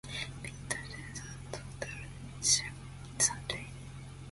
Victor James and Doctor Clive Sandy.